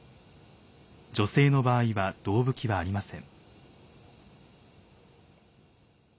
女性の場合は胴拭きはありません。